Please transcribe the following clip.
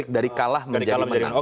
dari kalah menjadi menang